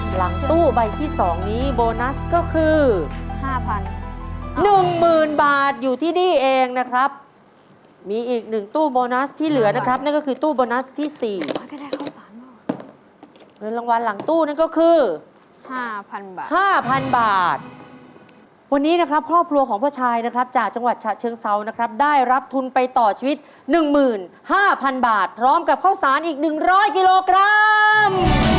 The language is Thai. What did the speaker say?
หลังตู้ใบที่๒นี้โบนัสก็คือ๕๑๐๐๐บาทอยู่ที่นี่เองนะครับมีอีกหนึ่งตู้โบนัสที่เหลือนะครับนั่นก็คือตู้โบนัสที่๔เงินรางวัลหลังตู้นั่นก็คือ๕๐๐บาท๕๐๐บาทวันนี้นะครับครอบครัวของพ่อชายนะครับจากจังหวัดฉะเชิงเซานะครับได้รับทุนไปต่อชีวิต๑๕๐๐๐บาทพร้อมกับข้าวสารอีก๑๐๐กิโลกรัม